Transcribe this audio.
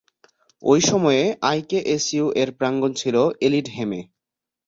ঐ সময়ে, আইকেএসইউ-এর প্রাঙ্গণ ছিল এলিডহেমে।